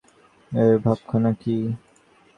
এর ভাবখানা কী?